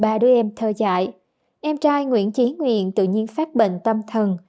trách nhiệm nuôi ba đứa em thơ dại em trai nguyễn chí nguyện tự nhiên phát bệnh tâm thần